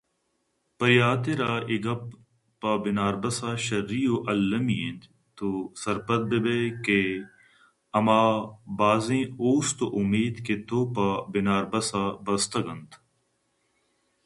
پرے حاترا اے گپ پہ بناربس ءَ شرّی ءُالمی اِنت تو سرپد بہ بئے کہ ہمابازیں اوست ءُاُمیت کہ تو پہ بناربس ءَ بستگ اَنت